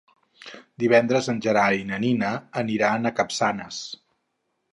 Divendres en Gerai i na Nina aniran a Capçanes.